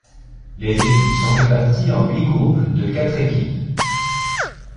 Les équipes sont réparties en huit groupes de quatre équipes.